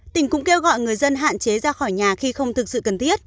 tỉnh cũng kêu gọi người dân hạn chế ra khỏi nhà khi không thực sự cần thiết